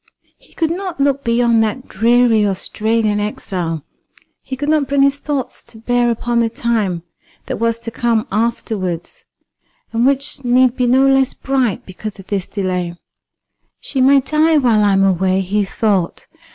He could not look beyond that dreary Australian exile; he could not bring his thoughts to bear upon the time that was to come afterwards, and which need be no less bright because of this delay. "She may die while I am away," he thought.